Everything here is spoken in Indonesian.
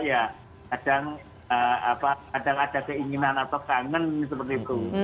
ya kadang ada keinginan atau kangen seperti itu